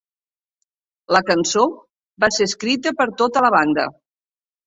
La cançó va ser escrita per tota la banda.